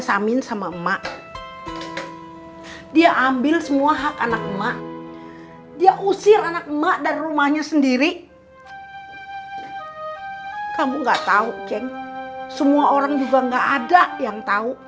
sampai jumpa di video selanjutnya